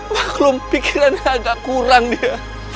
maklum pikirannya agak kurang dia